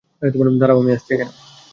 দাঁড়াও, আমিও আসছি।